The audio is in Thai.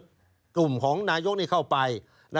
กลุ่มของนายกนี่เข้าไป